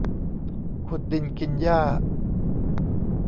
ขุดดินกินหญ้า